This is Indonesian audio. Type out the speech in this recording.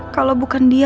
kalau bukan bercerai